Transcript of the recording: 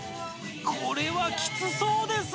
これはきつそうです